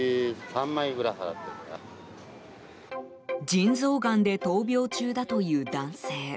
腎臓がんで闘病中だという男性。